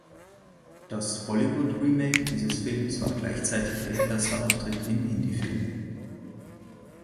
Das Bollywood-Remake dieses Films war gleichzeitig ihr erster Auftritt im Hindi-Film.